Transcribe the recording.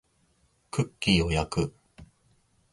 クッキーを焼く